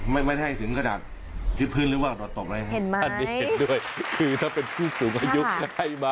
นี่ปั่นจิ้งหรีดก็มีเออบางคนก้มหน้าก็เวียนหัวนะ